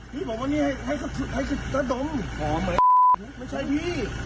พี่บอกว่านี่ให้ให้ให้กระดมหอมเลยไม่ใช่พี่